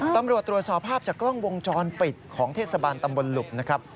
ตรวจสอบภาพจากกล้องวงจรปิดของเทศบาลตำบลหลุบนะครับ